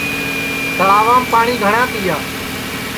تݪاوام پاٹؔی گھٹؔا تِیا